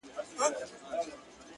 o ادب له زخمه اخيستل کېږي!